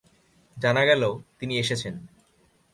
জানা গেল, তিনি এসেছেন।